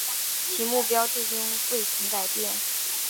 其目标至今未曾改变。